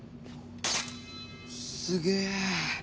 すげえ。